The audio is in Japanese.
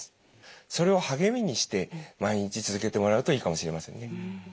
それを励みにして毎日続けてもらうといいかもしれませんね。